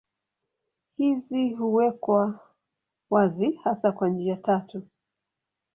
Hizi huwekwa wazi hasa kwa njia tatu.